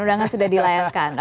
undangan sudah dilayangkan